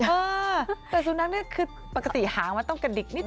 เออแต่สุนัขนี่คือปกติหางมันต้องกระดิกนิด